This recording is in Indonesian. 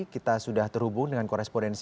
kita sudah terhubung dengan korespondensi